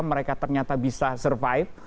mereka ternyata bisa survive